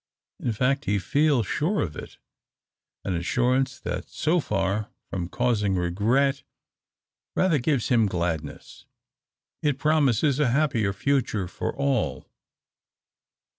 In fact, he feels sure of it; an assurance that, so far from causing regret, rather gives him gladness. It promises a happier future for all.